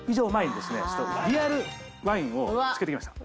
リアルワインをつけてきました。